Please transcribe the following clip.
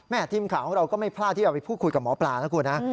แม่ทีมข่าวเราก็ไม่ภรรยาที่จะเอาไปพูดกับหมอปลานะคุณ